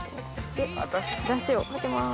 出汁をかけます。